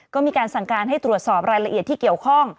ก็มีการสั่งการให้ตรวจสอบรายละเอียดที่เกี่ยวข้อง